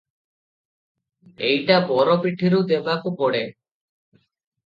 ଏଇଟା ବର ପିଠିରୁ ଦେବାକୁ ପଡ଼େ ।